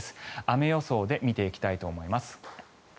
雨予想で見ていきたいと思います。